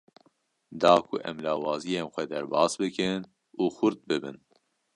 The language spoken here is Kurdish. Da ku em lawaziyên xwe derbas bikin û xurt bibin.